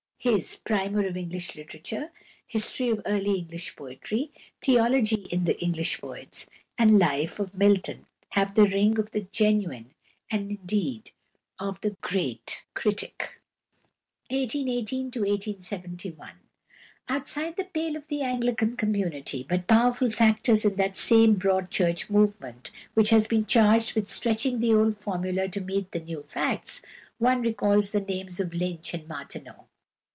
His "Primer of English Literature," "History of Early English Poetry," "Theology in the English Poets," and "Life of Milton" have the ring of the genuine, and, indeed, of the great, critic. Outside the pale of the Anglican community, but powerful factors in that same Broad Church movement which has been charged with "stretching the old formula to meet the new facts," one recalls the names of Lynch and Martineau.